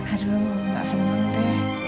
aduh mak seneng bener deh